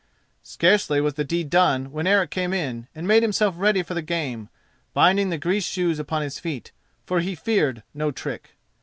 Scarcely was the deed done when Eric came in, and made himself ready for the game, binding the greased shoes upon his feet, for he feared no trick.